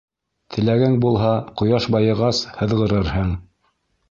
Теләгең булһа, ҡояш байығас һыҙғырырһың.